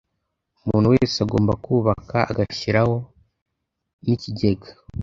umuntu wese agomba kubaka agashyiraho nikigega